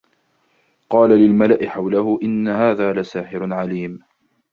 قال للملإ حوله إن هذا لساحر عليم